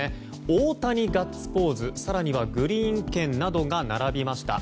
大谷ガッツポーズ更にはグリーン券などが並びました。